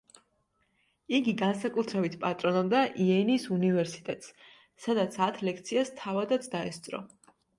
იგი განსაკუთრებით პატრონობდა იენის უნივერსიტეტს, სადაც ათ ლექციას თავადაც დაესწრო.